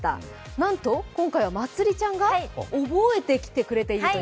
なんと、今回はまつりちゃんが覚えてきてくれているという。